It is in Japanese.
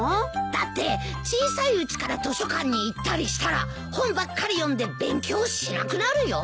だって小さいうちから図書館に行ったりしたら本ばっかり読んで勉強しなくなるよ。